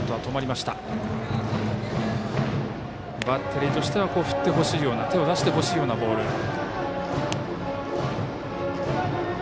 バッテリーとしては振ってほしいような手を出してほしいようなボール。